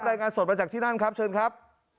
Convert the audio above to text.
รายงานสดมาจากที่นั่นครับเชิญครับ